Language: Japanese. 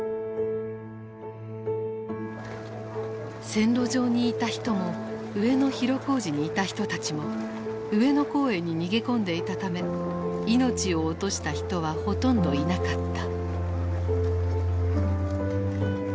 線路上にいた人も上野広小路にいた人たちも上野公園に逃げ込んでいたため命を落とした人はほとんどいなかった。